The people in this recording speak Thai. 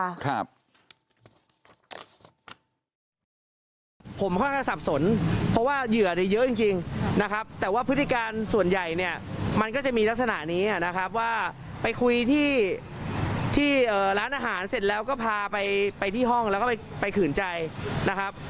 ผมค่อนข้างสับสนเพราะว่าเหยื่อเนี่ยเยอะจริงจริงนะครับแต่ว่าพฤติการส่วนใหญ่เนี่ยมันก็จะมีลักษณะนี้นะครับว่าไปคุยที่ที่ร้านอาหารเสร็จแล้วก็พาไปที่ห้องแล้วก็ไปขืนใจนะครับ